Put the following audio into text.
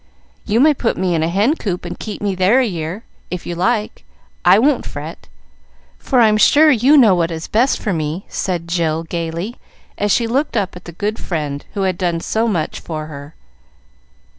"You may put me in a hen coop, and keep me there a year, if you like. I won't fret, for I'm sure you know what is best for me," said Jill, gayly, as she looked up at the good friend who had done so much for her.